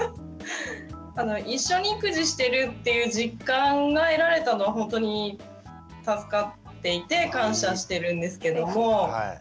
一緒に育児してるっていう実感が得られたのはほんとに助かっていて感謝してるんですけども。